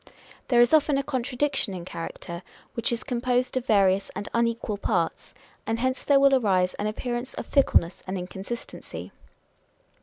There is often a contradiction in character, which is composed of various and unequal parts ; and hence there will arise an appearance of fickleness and inconsistency.